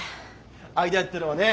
アイデアっていうのはね